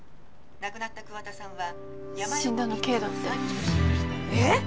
亡くなった桑田さんは死んだのＫだってえっ！？